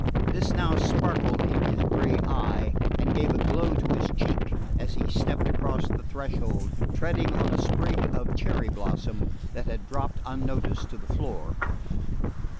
This now sparkled in his grey eye, and gave a glow to his cheek, as he stepped across the threshold, treading on a sprig of cherry blossom that had dropped unnoticed to the floor.